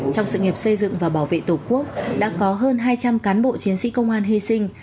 trong sự nghiệp xây dựng và bảo vệ tổ quốc đã có hơn hai trăm linh cán bộ chiến sĩ công an hy sinh